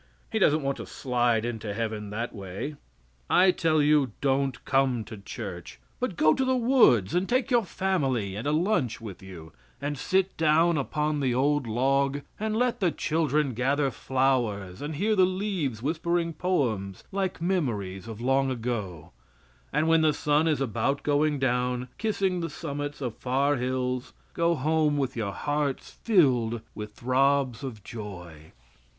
He doesn't want to slide into Heaven that way. I tell you don't come to church, but go to the woods and take your family and a lunch with you, and sit down upon the old log and let the children gather flowers and hear the leaves whispering poems like memories of long ago, and when the sun is about going down, kissing the summits of far hills, go home with your hearts filled with throbs of joy.